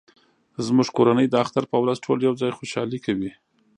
زموږ کورنۍ د اختر په ورځ ټول یو ځای خوشحالي کوي